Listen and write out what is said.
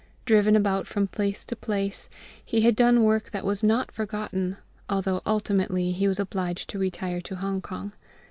Driven about from place to place, he had done work that was not forgotten, although ultimately he was obliged to retire to Hong kong.